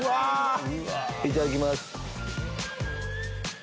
いただきます。